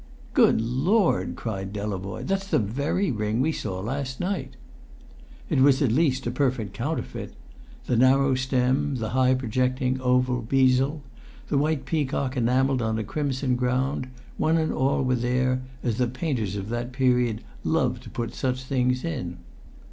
"Good Lord!" cried Delavoye. "That's the very ring we saw last night!" It was at least a perfect counterfeit; the narrow stem, the high, projecting, oval bezel the white peacock enamelled on a crimson ground one and all were there, as the painters of that period loved to put such things in.